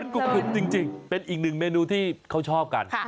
กรุบจริงเป็นอีกหนึ่งเมนูที่เขาชอบกัน